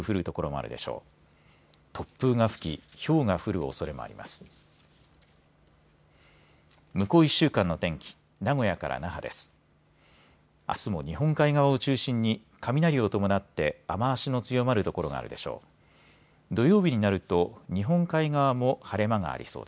あすも日本海側を中心に雷を伴って雨足の強まる所があるでしょう。